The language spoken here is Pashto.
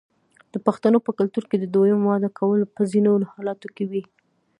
د پښتنو په کلتور کې د دویم واده کول په ځینو حالاتو کې وي.